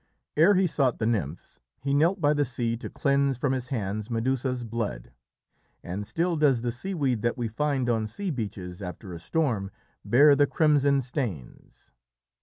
Ere he sought the nymphs, he knelt by the sea to cleanse from his hands Medusa's blood, and still does the seaweed that we find on sea beaches after a storm bear the crimson stains.